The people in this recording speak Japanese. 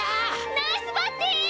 ナイスバッティン！